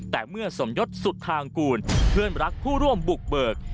แต่เมื่อสมยศสุธางกูลเพื่อนรักผู้ร่วมบุกเบิก